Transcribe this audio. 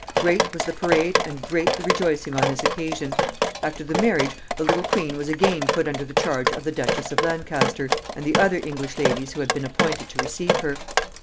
Great was the parade and great the rejoicing on this occasion. After the marriage, the little queen was again put under the charge of the Duchess of Lancaster and the other English ladies who had been appointed to receive her.